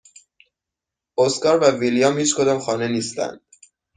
اسکار و ویلیام هیچکدام خانه نیستند.